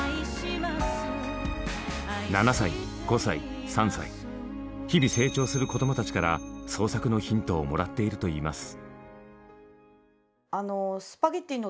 ７歳５歳３歳日々成長する子どもたちから創作のヒントをもらっているといいます。